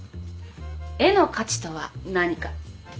絵の価値とは何か？